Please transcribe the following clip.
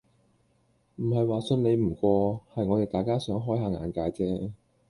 唔係話信你唔過，係我哋大家想開吓眼界啫